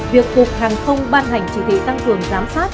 việc cục hàng không ban hành chỉ thị tăng cường giám sát